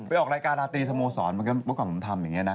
ไปออกรายการอาร์ตรีสโมร์ซอนมั่นก็จงต้องทำแบบนี้นะ